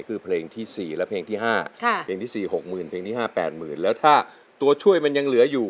คือเพลงที่๔และเพลงที่๕เพลงที่๔๖๐๐๐เพลงที่๕๘๐๐๐แล้วถ้าตัวช่วยมันยังเหลืออยู่